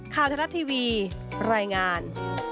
ค่าวทะลัดทีวีรายงาน